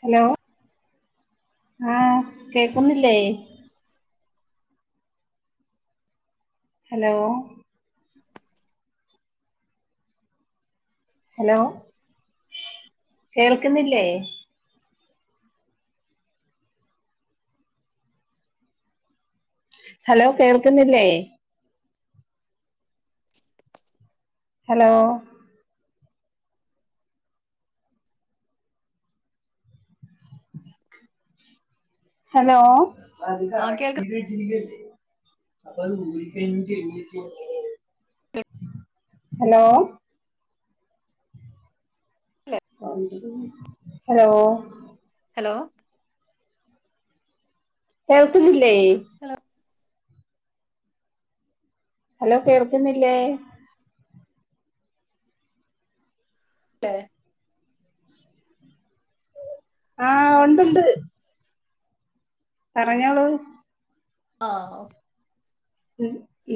Hello ആഹ് കേക്കുന്നില്ലേ? Hello hello കേൾക്ക്ന്നില്ലേ? ഹലോ കേൾക്ക്ന്നില്ലേ? ഹലോ ഹലോ ആഹ് കേൾക്ക ഹലോ അല്ലെ ഹലോ ഹലോ കേൾക്ക്ന്നില്ലേ ഹലൊ ഹലോ കേൾക്ക്ന്നില്ലേ ല്ലേ ആഹ് ഉണ്ടുണ്ട്. പറഞ്ഞോളൂ ആഹ് ഓ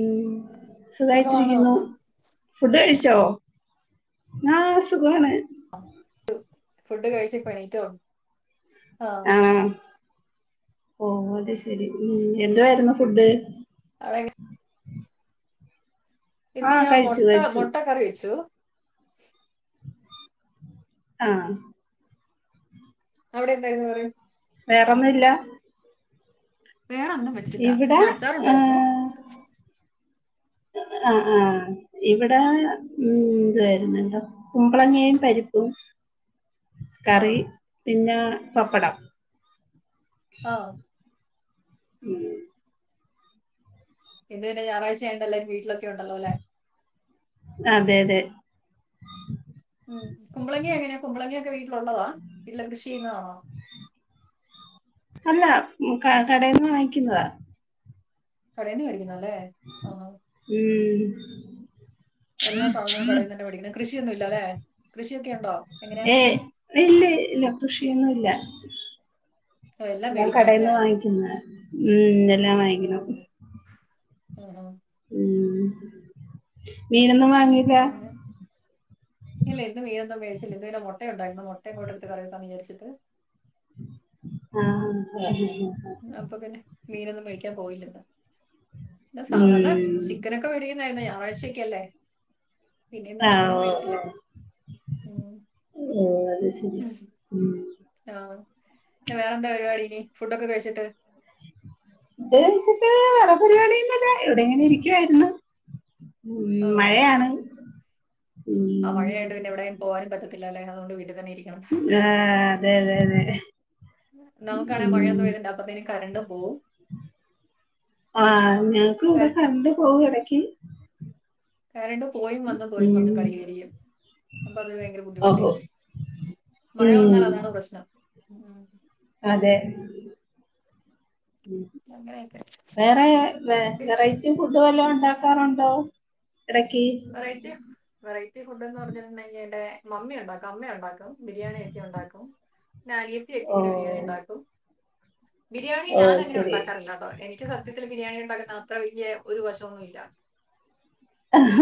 ഉം സുഖമാണോ സുഖായിട്ടിരിക്കുന്നു. ഫുഡ് കഴിച്ചോ? ആ സുഖവാണ്. ആഹ് [unintelligible] ഫുഡ് കഴിച്ച്കഴിഞ്ട്ടൊള്ളു ആഹ് ഓഹ് അത് ശരി ഉം എന്തുവായിരുന്നു ഫുഡ്? അതെങ്കി ഇന്ന് ആഹ് ഞാൻ കഴിച്ചു മൊട്ട കഴിച്ചു മൊട്ട കറി വെച്ചു ആഹ് അവിടെ എന്തായിരുന്നു കറി? വേറെ ഒന്നുല്ല വേറൊന്നും വെച്ചില്ല ഇവിടെ പിന്നെ അച്ചാറുണ്ടായിരുന്നു. ഏഹ് ആഹ് ആഹ് ഇവിടെ ഉം എന്തായിരുന്നല്ലോ കുമ്പളങ്ങെയും, പരിപ്പും കറി ആഹ് പിന്നെ പപ്പടം ആഹ് മ [unintelligible] ഇന്ന് പിന്നെ ഞായറഴ്ചആയോണ്ടേല്ലാരും വീട്ടിലക്കെ ഉണ്ടല്ലോല്ലേ. അതെ അതെ ഉം കുമ്പളങ്ങ എങ്ങനെയാ കുമ്പളങ്ങയൊക്കെ വീട്ടിലുള്ളതാ വീട്ടിൽ കൃഷി ചെയ്യുന്നതാണോ അല്ല കടയിൽന്ന് വാങ്ങിക്കുന്നതാ കടയിന്ന് മേടിക്കുന്നതല്ലേ ആഹ് ഉം എല്ലാ സാധനവും കടയിൽ തന്നെ മേടിക്കുന്നെ???? കൃഷിയൊന്നും ഇല്ല അല്ലെ കൃഷിയൊക്കെ ഉണ്ടോ? എങ്ങനെയാ ഏ ഇല്ല ഇല്ല കൃഷിയൊന്നുംല്ല ഓ, എല്ലാം മേടിക്കണോ അല്ലേ കടയിൽന്ന് വാങ്ങിക്കുന്ന ഉ എല്ലാം വാങ്ങിക്കണം. ഉം ഉ [unintelligible] ഉം മീനൊന്നും വാങ്ങില്ല [inaudible] ഇല്ല ഇന്ന് മീനൊന്നും മേടിച്ചില്ല ഇന്ന് പിന്നെ മൊട്ടയുണ്ടായിരുന്നു ഇന്ന് മുട്ടയിങ്ങോട്ടെടുത്ത് കറി വെക്കാന്ന് വിചരിച്ചിട്ട് ആഹ് ഉം, അപ്പൊ പിന്നെ മീനൊന്നും മേടിക്കാൻ പോയില്ല ഇന്ന് സാധാരണ ചിക്ക,, ചിക്കനൊക്കെ മേടിക്കുന്നതായിരുന്നു ഇന്ന് ഞായാഴ്ചയ്ക്കല്ലേ പിന്നെന്ന് ചിക്കനും മേടിച്ചില്ല ആഹ് ഓ അത് ശരി ഉ ആഹ് പിന്നെ വേറെ എന്താ പരിപാടി ഫുഡൊക്കെ കഴിച്ചിട്ട്. [unintelligible] വേറെ പരിപാടിയൊന്നുല്ല എവിടെ എങ്ങനെ ഇരിക്കുവായിരുന്നു ഉം ആ മഴയാണ് ആഹ് ഉം മഴയുണ്ട് പിന്നെ എവിടെയും പോകാനും പറ്റത്തില്ല അതുകൊണ്ട് വീട്ടിൽ തന്നെയിരിക്കും ആഹ് അതെ അതെ അതെ നമുക്കാണെ ഉം മഴയൊന്നുപെയ്താണ്ട് അപ്പത്തേന് കരണ്ടും പോകും ആഹ് ഞങ്ങക്ക് ഇവിടെ കര- കറണ്ട് പോകും ഇടക്ക് കാരണ്ട് പോയും വന്നും പോയും വന്നും ഉം കളി കരിരിക്കും അപ്പ അത് ഭയങ്കര ഓഹോ ബുദ്ധിമുട്ടായിരിക്കും മഴ വന്നാൽ ഉം അതാണ് പ്രശ്നം അതെ അങ്ങനെയൊക്കെ വേറെ വ വേറൈ,, ഫുഡ് വല്ല ഉണ്ടാക്കാറുണ്ടോ ഇടക്ക് വെറൈറ്റി വെറൈറ്റി ഫുഡ് എന്ന് പറഞ്ഞിട്ടുണ്ടെങ്കിൽ എന്റെ മമ്മി ഉണ്ടാക്കും അമ്മ ഉണ്ടാക്കും ബിരിയാണിയൊക്കെ ഉണ്ടാക്കും പിന്നെ അനിയത്തിയൊക്കെ ഓ ഇങ്ങനെ ബിരിയാണി ഉണ്ടാക്കും ബിരിയാണി ഓ ഞാന് അങ്ങനെ ശരി ഉണ്ടാക്കാറില്ല കേട്ടോ എനിക്ക്,, മൊത്തത്തില് ബിരിയാണി ഉണ്ടാക്കുന്ന അത്ര വലിയ ഒരു വശമൊന്നും ഇല്ല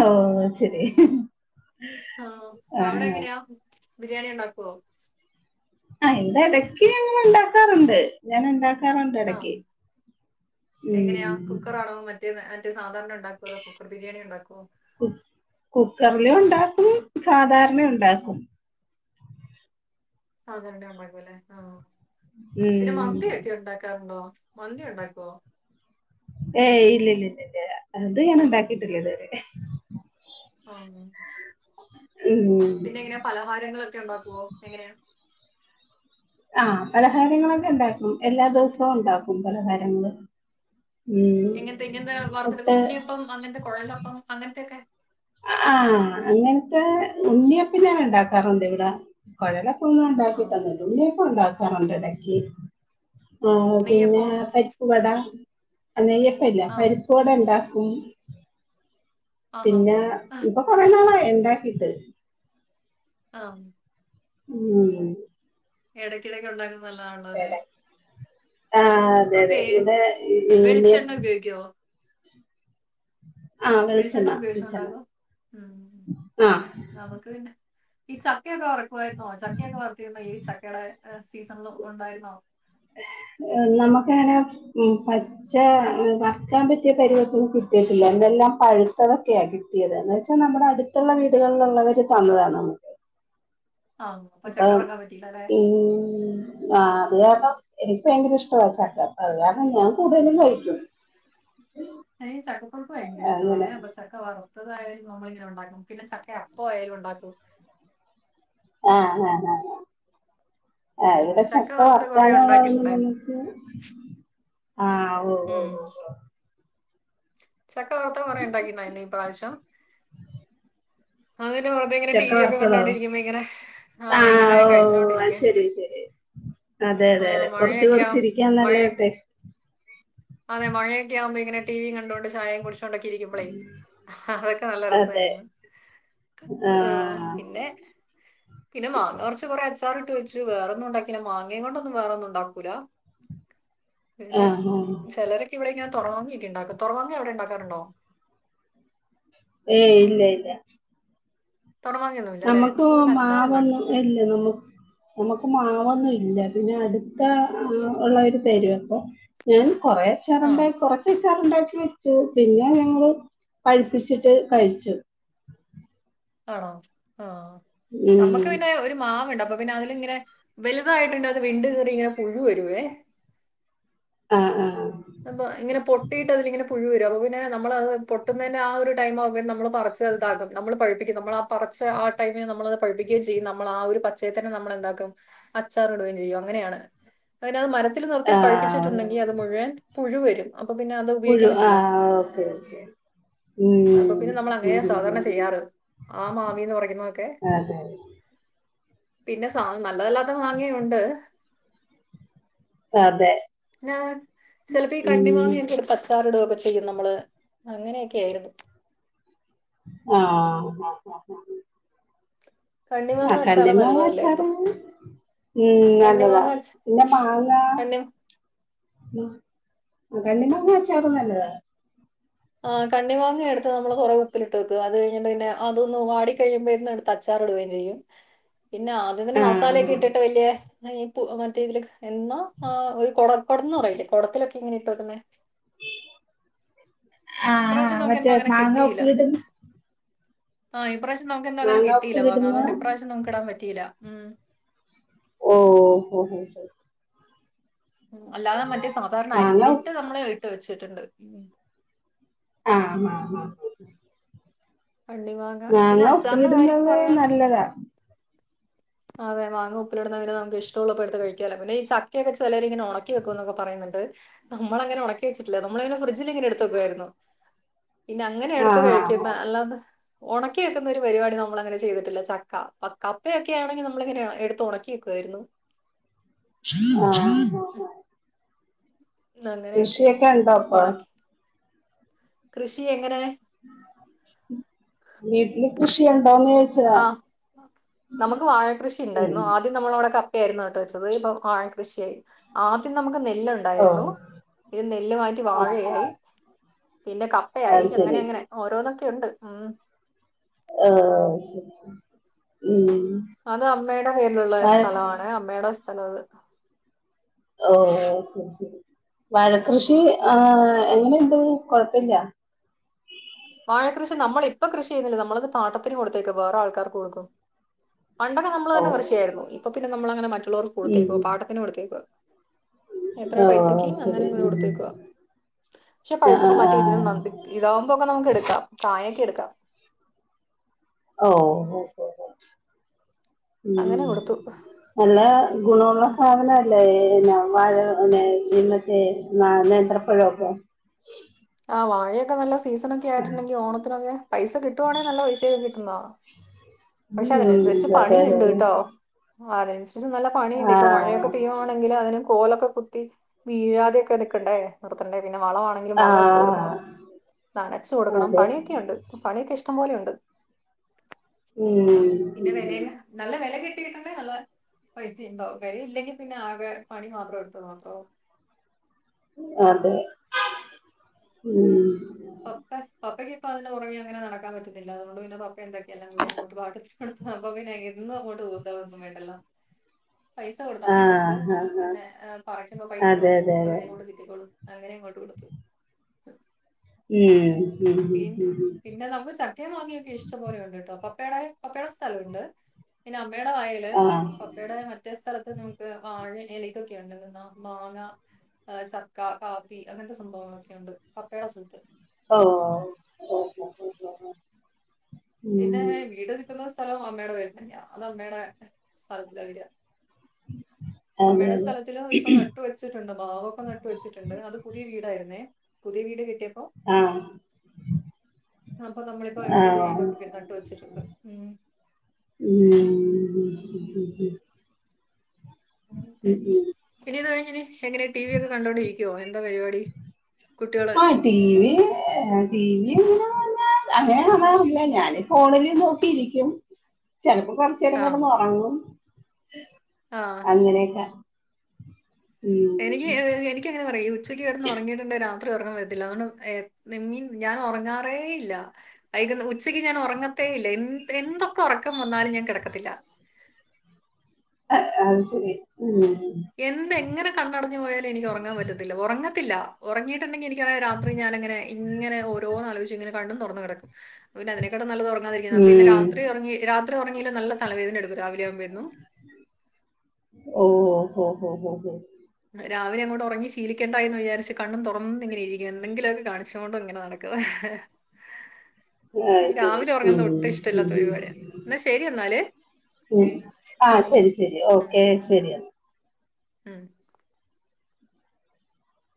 ഓ ശരി ആഹ അവിടെ ആഹ് എങ്ങനെയാ ബിരിയാണി ഉണ്ടാക്കുവോ? ആയിന്റെ ഇടയ്ക്ക് ഞങ്ങൾ ഉണ്ടാക്കാറുണ്ട് ഞാൻണ്ട,, റണ്ട് ആ ഇടക്ക് ഉം മറ്റ സാധാരണ ഉണ്ടാക്കുമോ അതോ കുക്കർ ബിരിയാണി ഉണ്ടാക്കുവോ? കുക്കറില് ഉണ്ടാക്കും സാധാരണ ഉണ്ടാക്കും അതുതന്നെ അമ്മ പോലെ ആഹ പിന്നെ ഉം മമ്മി,, ഉണ്ടാക്കാറുണ്ടോ മന്തി ഉണ്ടാക്കുവോ ഏ ഇല്ലല്ല ഇല്ല ഇല്ല അത് ഞാൻ ഉണ്ടാക്കിട്ടില്ല ഇതുവരെ. ആഹ് ഉം പിന്നെ എങ്ങനെയ പലഹാരങ്ങളൊക്കെ ഉണ്ടാക്കുവോ എങ്ങനെയ ആഹ പലഹാര്യങ്ങളൊക്കെ ഉണ്ടാക്കും എല്ലാ ദിവസവും ഉണ്ടാക്കും പലഹാര്ങ്ങള്. ഇങ്ങനത്തെ ഇങ്ങനത്തെ വാർത്ത പുട്ട് ഉണ്ണിയപ്പം അങ്ങനത്തെ കൊഴലൊപ്പം അങ്ങനത്തെൊക്കെ ആഹ് അങ്ങനത്തെ ഉണ്ണിയപ്പം ഞൻ ഉണ്ടാക്കാറുണ്ട് ഇവിടെ കുഴലപ്പംമൊന്നും ആ ഉണ്ടാക്കിട്ടൊന്നുല ഉണ്ണിയൊക്കെ ഉണ്ടാക്കാറുണ്ട് ഇടക്ക് ആഹ് പിന്നെ നെയ്യപ്പോ പരിപ്പുവട നെയ്യപ്പമില്ല ആ പരിപ്പുവടണ്ടാ പോ ആഹാ പിന്നെ ആ ഇപ്പൊ കൊറേ നാളായി എന്റ്ക്കീട്ട് ആ ഇമ്മ് എടയ്ക്കിടയ്ക്ക് ഉണ്ടാക്കുന്നതാണ ല്ലല്ലേ അതെ ആ അതെ അതെ ഇവിടെ ഉപയോഗിക്കോ ആ വെളിച്ചെണ്ണ ഉപയോഗിച്ച വെളിച്ചെണ്ണ ഉണ്ടാകോ ഇമ് ആ നമക്ക് ഈ ചക്കയൊക്കെ ചക്കയൊക്കെ ചക്കയൊക്കെ വറക്കുയിരുന്നോ ചക്കയൊക്കെ വറത്തിരുന്ന ഈ ചക്കയുടെ സീസണില് ഉണ്ടായിരുന്നോ ഉണ്ടായിരുന്നോ നമ്മക്ക് ങ്ങനെ പച്ച കക്കാൻ പറ്റിയ പരിവക്കൊന്നും കിട്ടാൻ പറ്റിയ സൈസ് ഒന്നും കിട്ടിട്ടില്ല എന്തെല്ലാം പഴുത്തതൊക്കെയാണ് കിട്ടിയത് എന്ന് വെച്ചാൽ നമ്മുടെ അടുത്ത് റ്റുള്ള വീടുകളിലുള്ളവര് തന്നതാണാണ് ആ അപ്പൊ ചക്ക അപ്പം വറക്കാൻ പറ്റിയില്ല അല്ലെ ഈ ആഹ അത് കാരണം എനിക്ക് ഭയങ്കര ഇഷ്ട ചക്കാ അപ്പ അത് കാരണം ഞാൻ കൂടുതലും കഴിക്കും നിക്ക് ചക്ക പുഴുക്ക് ഭയങ്കര അങ്ങനെ ഇഷ്ടമാണെ ചക്ക വറുത്തതായാലും നമ്മളിങ്ങനെ ഉണ്ടാക്കും പിന്നെ ചക്ക അപ്പം ആയാലും ഉണ്ടാക്കും ആ ആ ആ ഉം. ഇവിടെ ചക്ക വറുത്ത കുറെ വറക്കാന ള്ളതാ ഉണ്ടാക്കിയിട്ടുണ്ടായിരുന്നു ത് ആ ഇമ് ചക്ക വറുത്തത് കുറെ ഉണ്ടാക്കിന്നോ ഈ പ്രാവശ്യം അത്ന്നെ പുറത്തെ ഇങ്ങനെ ടി ചക്ക വി അവനും അവളും ഒക്കെ വറുത്തതോ കണ്ടോണ്ടിരിക്കുമ്പോ ഇങ്ങനെ ആഹ് ഇങ്ങനെ ഓ ഓ കഴിച്ചോണ്ടിരിക്ക അത് ശരി ശരി അതെ അതെ അതെ കുറച്ച് കുറച്ചി രിക്കാൻ മഴ നല്ല അതെ മഴയൊക്കെയാക്ബോ ഇങ്ങനെ ടീവി കണ്ടൊണ്ട് ചായയും കുടി ഇരിക്കുമ്പളേ അതൊക്കെ നല്ല അതെ രസമായിരുന്നു ആഹ ആഹ് പിന്നെ പിന്നെ മാങ്ങ കുറച്ച് കുറെഅച്ചാറിട്ടു വെച്ചു വേറെ ഒന്നും ഉണ്ടാക്കില്ല മാങ്ങയും കൊണ്ടൊന്നും വേറെ ഒന്നും ഉണ്ടാകുല പിന്നെ ആഹ് ആഹ് ചിലരൊക്കെ ഇവിടെ തുറ മാങ്ങയൊക്കെ ഉണ്ടാക്കും തുറമാങ്ങ അവിടെ ഉണ്ടാക്കാറുണ്ടോ ഏയ് ഇല്ല ഇല്ല തോറ മാങ്ങ നമ്മക്ക് മാവൊന്നും ഇല്ലേ നമ്മുക്ക് നമുക്ക് മാവൊന്നും ഇല്ല പിന്നെ അടുത്ത ഉള്ളവര് തരുവൊപ്പോ ഞാൻ കൊറേ ആ അച്ചാറുണ്ടാക്കി കൊറച്ച് അച്ചാറുണ്ടാക്കി വെച്ചു പിന്നെ ഞങ്ങള് പഴിപ്പിച്ചിട്ട് കഴിച്ചു ആണോ ആ നമ്മുക്ക് ഉം പിന്നെ ഒരു മാവുണ്ട് അപ്പൊ പിന്നെ അതിലിങ്ങനെ വലുതായിട്ടുണ്ട് അത് വീണ്ട് കയറി ഇങ്ങനെ പുഴു വരുവേ ആ ആ ആ അപ്പ ഇങ്ങനെ പൊട്ടീട്ട് അതിലിങ്ങനെ പുഴു വരും അപ്പ പിന്ന നമ്മളത് പൊട്ടുന്നേനെ ആ ഒരുടൈം ആവുമ്പോഴും നമ്മൾ പറിച്ചത് താകും നമ്മൾ പഴുപ്പിക്കും നമ്മളാ പറിച്ച് ആ ടൈമിനത് നമ്മളത് പഴിപ്പിക്കുകയും ചെയ്യും നമ്മൾ ആ ഒരു പച്ചയെ തന്നെ നമ്മളെന്താക്കും അച്ചാർടുകയും ചെയ്യും അങ്ങനെയാണ് അയ്നത് മരത്തിൽ നിർത്തി ആഹ് പഴിപ്പിച്ചിട്ടുണ്ടെങ്കിൽ അത് മുഴുവൻ പുഴു വരും അപ്പൊ പിന്നെ അത് പുഴു ഉപയോഗിക്കാൻ പറ്റില്ല ആഹ് ഓക്കെ ഓക്കെ ഉം അപ്പൊ പിന്നെ നമ്മൾ ഉം അങ്ങനെയാ ഉം സാധാരണ ഉം ചെയ്യാറ് ആ മാവിന്ന് പറിക്കുന്നതോകെ അതെ പിന്നെ സ നല്ലതല്ലാത്ത മാങ്ങയുണ്ട് അതെ ആ ചെലപ്പോ ഈ ഉം കണ്ണിമാങ്ങിയൊക്കെടുത്ത് അച്ചാറിട്കയും ചെയ്യും നമ്മള് അങ്ങനെയൊക്കെ ആയിരുന്നു ആഹ് അഹ് അ ആ ആ കണ്ണിമാങ്ങ അച്ചാറ് കണ്ണിമാങ്ങാ നല്ലതല്ലേ അപ്പൊ അച്ചാറ് ഇമ് നല്ലതാ കണ്ണിമാങ്ങ അച് പിന്നെ മാങ്ങാ കണ്ണി ഉ അ കണ്ണിമാങ്ങാച്ചാറും നല്ലതാ ആ കണ്ണിമാങ്ങ എടുത്ത് നമ്മള് കുറെ ഉപ്പിലിട്ട് വെക്കും. അത് കഴിഞ്ഞിട്ട് പിന്നെ അതൊന്ന് വാടി കഴിയുമ്പോന്ന് എടു ത്തച്ചാർ ഇടുകയും ചെയ്യും പിന്നെ ആദ്യം തന്നെ മസാലയൊക്കെ ആഹ് ഇട്ടിട്ട് വല്യ ഈ പു മറ്റേതിൽ എന്നാ ആ ഒരു കുടന്ന് പറയല്ലേ കുടത്തിലൊക്കെ ഇങ്ങനിട്ട് വക്കുന്നെ ആഹ് ഇപ്രാവശ്യം ആഹ് നമുക്ക് എന്തോ മറ്റേ അങ്ങനെ മാങ്ങ കിട്ടിയില്ല ഉപ്പിലിടുന്ന ആഹ് ഈ പ്രാവശം നമുക്കെന്ത അങ്ങനെ മാങ്ങ കിട്ടല്ല മാങ്ങ ഉപ്പിലിടുന്ന അതുകൊണ്ട് ഇപ്രാവശ്യം നമുക്ക് ഇടാൻ പറ്റിയില്ല ഉം ഓ ഓഹൊ ഹൊ മ്ഹ് അല്ലാതെ മറ്റേ സാധാരണ മാങ്ങ ഉ അരിഞ്ഞിട്ട് നമ്മള് ഇട്ട് വെച്ചിട്ടുണ്ട് മ്ഹ് ആഹ് ഹാ ഹാ കണ്ണിമാങ്ങ പിന്നെ അച്ചാറിന്റെ കാര്യം പറയാം ഇല്ലതാ അതെ മാങ്ങ ഉപ്പിലിടുന്നെതിന് നമുക്ക് ഇഷ്ടുള്ളപ്പോഴെടുത്ത് കഴിക്കാല്ലോ പിന്നെ ഈ ച കക്കെ ചിലരിങ്ങനെ ഉണക്കി വെക്കും എന്നൊക്കെ പറയുന്നുണ്ട് നമ്മളങ്ങനെ ഉണക്കി വെച്ചട്ടില്ല നമ്മളിങ്ങന ഫ്രഡ്ജിൽ ഇങ്ങന എടുത്ത് വെക്കുവായിരുന്നു. പിന്നെ അങ്ങനെ എടുത്ത് ആഹ് ആഹ് ആഹ് കഴിക്കണ്ട അല്ലാതെ ഉണക്കി വക്കുന്ന ഒരു പരിപാടി നമ്മൾങ്ങനെ ചെയ്തിട്ടില്ല ചക്ക. പക്കാ കപ്പയക്കെ ക്കെ ആണെങ്കിൽ നമ്മളിങ്ങനെ എടുത്ത് ഉണക്കി വക്കുവാരുന്നു ആഹ് ആഹ് അങ്ങനെയൊക്കെ കൃഷിയൊക്കെ ഉണ്ടോപ്പൊ? ഉണക്കി കൃഷി എങ്ങനെ? വീട്ടില് കൃഷി ഉണ്ടോന്ന് ചോ ആഹ് നമുക്ക് വാഴ കൃഷി ഉം ഉണ്ടായിരുന്നു ആദ്യം നമ്മളവിടെ കപ്പ ആയിരുന്നു ന ട്ടു വെച്ചത് ഇപ്പ വാഴ കൃഷിയായി ആദ്യം നമുക്ക് നെല്ല ണ്ടായിരുന്നു ഓഹ് ഇ നെല്ല് മാറ്റി ആഹ് വാഴയായി ആഹ് പിന്നെ കപ്പയായി അത് അങ്ങനെ ശരി അങ്ങനെ ഓരോന്നൊക്കെ ഉണ്ട് ഉം ആഹ് ശരിശരി ഉം അത് അമ്മയുടെ പേരിലുള്ള വഴ സ്ഥലമാണ് അമ്മയുടെ സ്ഥലാത്. ഓ ശരി ശരി വഴക്കൃഷി ആഹ് എങ്ങനെണ്ട് കൊഴപ്പല്ല്യ? വാഴക്കൃഷി നമ്മളിപ്പ കൃഷി ചെയ്യുന്നില്ല നമ്മളത് പാട്ടത്തിന് കൊടുത്തേക്ക വേറെ ആൾക്കാർക്ക് കൊടുക്കും പണ്ടൊക്കെ നമ്മള് ഓ തന്നെ കൃഷി ചെയുവായിരുന്നു. ഇപ്പൊ പിന്നെ നമ്മളങ്ങനെ മറ്റുള്ളവർക്ക് ഉം കൊടുത്തേക്ക പാട്ടത്തിന് കൊടുത്തേക്കുവ എത്രയ ഓ പൈസക്ക് അങ്ങനെ ശരി ഇങ്ങനെ ഉം കൊടുത്തേക്കുക. പക്ഷെ ആ ആ പഴക്ക ആ മറ്റേ ഇതിനും [unintelligible] ഇതാവുമ്പോക്കെ നമുക്ക് എടുക്കാം. കായൊക്കെ എടുക്കാം. ഓഹ് ഓഹ് ഓഹ് ഉം അങ്ങനെ കൊടുത്തു നല്ല ഗുണമുള്ള സാധന [unintelligible] നേന്ത്രപ്പഴൊക്കെ ആഹ് വാഴയൊക്കെ നല്ല സീസണൊക്കെ ആയിട്ടുണ്ടെങ്കിൽ ഓണത്തിനൊക്കെ പൈസ കിട്ടുവാണെ നല്ല പൈസയൊക്കെ കിട്ടുന്നതാ പക്ഷെ അതിനനുസരിച്ച് ഉം അതെ അതെ പണിയുണ്ട് അതെ ട്ടോ അതിനനുസരിച്ച് നല്ല പണിണ്ട് ആ ഇപ്പൊ മഴയൊക്കെ പെയ്യുവാണെങ്കിൽ അതിനു കോലൊക്കെ കുത്തി വീഴാതെ ഒക്കെ നിക്കണ്ടേ നിർത്തണ്ടെ പിന്നെ വളമാ തിൽ ആ വള ഇട്ട് കൊടുക്കണം നനച്ചു കൊടുക്കണം അതെ പണിയൊക്കെയുണ്ട് പണിയൊക്കെ ഇഷ്ടം പോലെയുണ്ട് ഉം പിന്നെ വിലയെല്ലാ ഉം നല്ല വില കെട്ടിയിട്ടുണ്ടേ നല്ല പൈസ ഉണ്ടോ കഴിവ് ഇല്ലെങ്കിൽ പിന്നെ ആകെ പണി മാത്രം എടുത്തത് മാത്രാവും അതെ ഉം പപ്പ പപ്പയ്ക്ക്പ്പ അതിൻ്റെ പുറകെ അങ്ങനെ നടക്കാൻ പറ്റത്തില്ല അതുകൊണ്ട് പിന്നെ പപ്പ എന്താക്കെ എല്ലാം കൂടി അങ്ങോട്ട് പാട്ട [unintelligible] സംഭവം പിന്നെ എന്നും അങ്ങോട്ട ഊന്തലൊന്നും വേണ്ടല്ലോ പൈസ കൊടുത്താ മതിയെ കൊറച്ച് ആഹ് ആഹ് ആഹ് പിന്നെ പറിക്കുമ്പോ പൈസ അതെ അതെ നമുക്ക് അതെ പകുതിയങ്ങോട്ട് കിട്ടിക്കോളും അങ്ങനെയങ്ങോട്ടു കൊടുത്തു മ്ഹ് ഉം ഉം ഉം പിന്നെ ഉം ഉം പിന്നെ നമ്മള് ച ക്കയും മാങ്ങയൊക്കെ ഇഷ്ടം പോലെ ഉണ്ട് കേട്ടോ പപ്പയുടെ പപ്പയുടെ സ്ഥലമുണ്ട് പിന്നെ അമ്മയുടെ വയല് ആഹ് പ്പേടെ മറ്റേ സ്ഥലത്ത് നമുക്ക് വാഴ എലിതൊക്കെ ഉണ്ട് മാങ്ങ ഹേ ചക്ക, കാപ്പി, അങ്ങനത്തെ സംഭവങ്ങളൊക്കെണ്ട്. പപ്പയുടെ സ്ഥലത്ത്. ഓ ഹോ ഹോ ഹോ പിന്നെ വീട് നിൽക്കുന്ന സ്ഥലവും അമ്മേടെ പേരിൽ തന്നെയാ. അത് അമ്മേടെ സ്ഥലത്തിലാ വരിക. അതെ അമ്മേടെ അതെ സ്ഥലത്തിലാ ഇപ്പ നട്ടു വെച്ച് വെച്ചിട്ടുണ്ട്, മാവൊക്കെ നട്ട് വെച്ചിട്ടുണ്ട്, അത് പുതിയ വീടായിരുന്നേ പുതിയ വീട് കിട്ടിയപ്പോ ആഹ് അപ്പൊ നമ്മളിപ്പോ പുതിയ ആഹ് ഇതൊക്കെ നട്ട് വെച്ചിട്ടുണ്ട്. ഉും ഹും ഹും ഉം പിന്നെ ഇത് കഴിഞ്ഞ്നി എങ്ങനെ ടി വി ഒക്കെ കണ്ടോണ്ടിരിക്കുവോ എൻ ന്താ പരിപാടി കുട്ടികള് ആഹ് ടി വി ആഹാ ടി വി ന്ന് പറഞ്ഞാൽ അങ്ങനെ കാണറില്ല ഞാാന് ഫോണില് നോക്കിയിരിക്കും ചെലപ്പം കൊറച് ചേരം കിടന്നുറങ്ങും. ആഹാ അങ്ങനെയൊക്ക ഉും എനിക്ക് എനിക്ക്ങ്ങനെ ന്നറിയോ ഈ ഉച്ചക്ക് കെടുന്ന് ഉറങ്ങിട്ടുണ്ട് രാത്രി ഉറക്കം വരത്തില്ലഅതൊണ്ട നിന്നിൻ ഞാൻ ഉറങ്ങാറേ ഇല്ല. അയിക് ഉച്ചക്ക് ഞാൻ ഉറങ്ങത്തേ ഇല്ല. എൻ എന്തൊക്കെ ഉറക്കം വന്നാലും ഞാൻ കിടക്കത്തില്ല. അഹ് അത് ശരി ഉും എന്തെങ്ങനെ കണ്ണടഞ്ഞു പോയാലും എനിക്ക് ഉറങ്ങാൻ പറ്റത്തില്ല. ഉറങ്ങത്തില്ല. ഉറങ്ങിട്ടുണ്ടെങ്കിൽഎനിക് ക് രാത്രി ഞാനിങ്ങന ഇങ്ങനെ ഓരോന്ന്ആലോയിച്ച് ഇങ്ങനെ കണ്ണും തുറന്ന് കിടക്കും. പിന്നെ അതിനെക്കാട്ടിലും നല്ലത് തിരിക്ക പിന്നെ ഉം രാത്രി ഉറങ്ങി രാത്രി ഉറങ്ങില്ല നല്ല തലവേദന എടുക്കും രാവിലെ ആവുമ്പന്നും ഓ ഓ ഹു ഹു ഹു രാവിലെ അങ്ങോട്ട് ഉറങ്ങി ശീലിക്കണ്ട എന്ന് വിചാരിച്ച് കണ്ണും തുറന്ന ഇങ്ങെനെ ഇരിക്കും. എന്തെങ്കിലൊക്കെകാണിച്ച് കൊണ്ടും കാണിച്ചു കോണ്ടും ഇങ്ങനെ നടക്കും. [unintelligible] പ്പ് അത് ശരി ഈരാവിലെ ഉം ഉറങ്ങുന്നത് ഒട്ടും ഇഷ്ടമല്ലാത്ത പരുപാടിയ. എന്നാ ശെരി എന്നാല്. ഉും ആ ശരി ശരി ഓക്കെ ശരിയന്ന ഉും